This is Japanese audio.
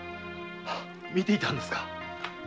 見ていたんですか。